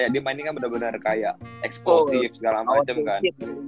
dia mainnya kan bener bener kayak eksplosif segala macem kan